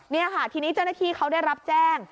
นี่ค่ะทีนี้เจ้าหน้าที่เขาได้รับแจ้ง